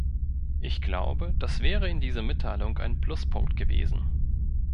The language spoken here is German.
Ich glaube, das wäre in dieser Mitteilung ein Pluspunkt gewesen.